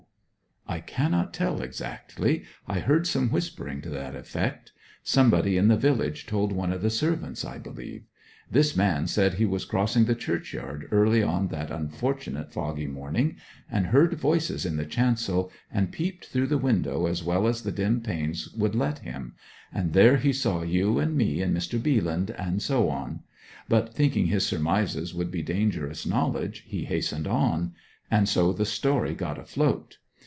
'I cannot tell exactly. I heard some whispering to that effect. Somebody in the village told one of the servants, I believe. This man said that he was crossing the churchyard early on that unfortunate foggy morning, and heard voices in the chancel, and peeped through the window as well as the dim panes would let him; and there he saw you and me and Mr. Bealand, and so on; but thinking his surmises would be dangerous knowledge, he hastened on. And so the story got afloat.